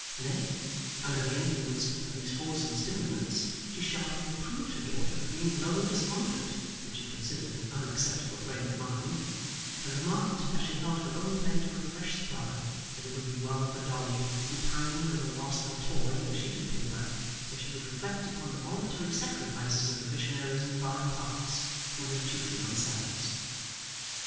Nay, under the influence of these wholesome stimulants, she sharply reproved her daughter for being low and despondent (which she considered an unacceptable frame of mind), and remarked, as she held her own plate for a fresh supply, that it would be well for Dolly, who pined over the loss of a toy and a sheet of paper, if she would reflect upon the voluntary sacrifices of the missionaries in foreign parts who lived chiefly on salads.